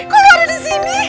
kau lu ada di sini